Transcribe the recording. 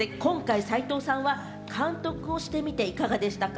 そして今回、齊藤さんは監督をしてみて、いかがでしたか？